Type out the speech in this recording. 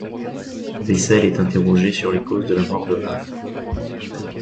Bessels est interrogé sur les causes de la mort de Hall.